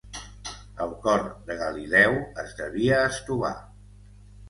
El cor de Galileu es devia estovar.